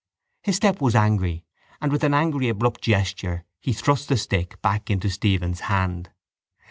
His step was angry and with an angry abrupt gesture he thrust the stick back into Stephen's hand.